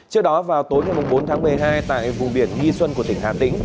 trước đó vào tối bốn tháng một mươi hai tại vùng biển nhi